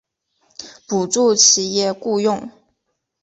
补助企业雇用